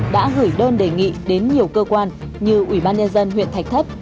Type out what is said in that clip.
đã gửi đơn đề nghị đến nhiều cơ quan như ủy ban nhân dân huyện thạch thất